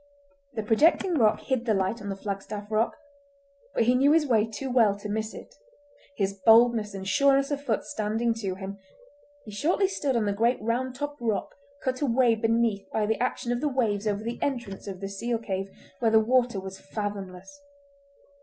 The projecting rock hid the light on the Flagstaff Rock, but he knew his way too well to miss it. His boldness and sureness of foot standing to him, he shortly stood on the great round topped rock cut away beneath by the action of the waves over the entrance of the seal cave, where the water was fathomless.